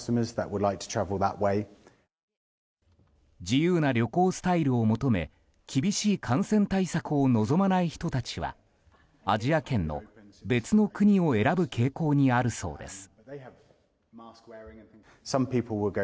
自由な旅行スタイルを求め厳しい感染対策を望まない人たちはアジア圏の別の国を選ぶ傾向にあるそうです。